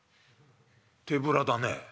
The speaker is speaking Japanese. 手ぶらだね。